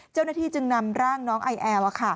เจ้าหน้าที่จึงนำร่างน้องไอแอล